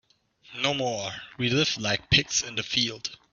No more we live like pigs in the field.